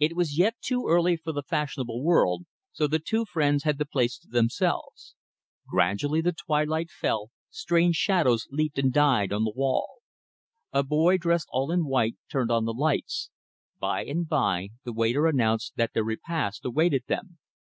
It was yet too early for the fashionable world, so the two friends had the place to themselves. Gradually the twilight fell; strange shadows leaped and died on the wall. A boy dressed all in white turned on the lights. By and by the waiter announced that their repast awaited them.